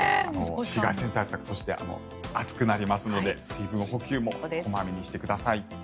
紫外線対策そして、暑くなりますので水分補給も小まめにしてください。